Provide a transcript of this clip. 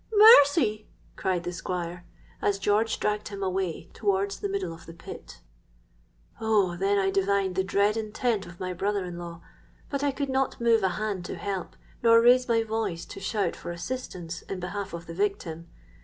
—'Mercy!' cried the Squire, as George dragged him away towards the middle of the pit. "Oh! then I divined the dread intent of my brother in law; but I could not move a hand to help, nor raise my voice to shout for assistance in behalf of the victim.